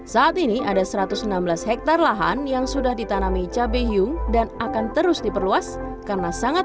saat ini ada satu ratus enam belas hektare lahan yang sudah ditanami cabai hiung dan akan terus diperluas karena sangat